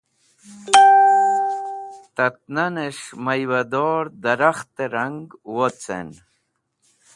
Tat Nan es̃h Maiwador Darakhte Rang Wocen